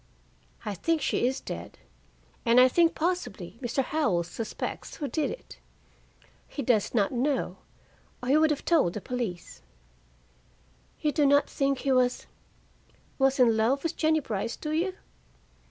"I think she is dead, and I think possibly Mr. Howell suspects who did it. He does not know, or he would have told the police." "You do not think he was was in love with Jennie Brice, do you?"